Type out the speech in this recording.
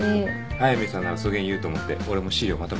速見さんならそげん言うと思って俺も資料まとめてきた。